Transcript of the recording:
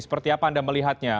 seperti apa anda melihatnya